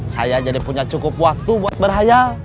saya jadi punya cukup waktu buat berhaya